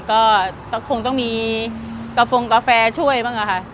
ก็คงต้องมีกระโฟงกาแฟช่วยบ้างค่ะ